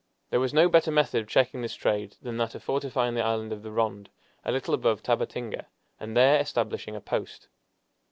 There was no better method of checking this trade than that of fortifying the Island of the Ronde, a little above Tabatinga, and there establishing a post.